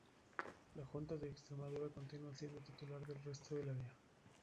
La Junta de Extremadura continúa siendo titular del resto de la vía.